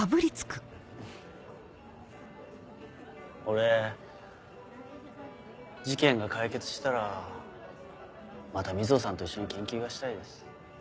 俺事件が解決したらまた水帆さんと一緒に研究がしたいです。